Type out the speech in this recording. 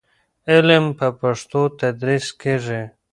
علم په پښتو تدریس کېږي.